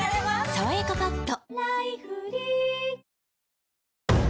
「さわやかパッド」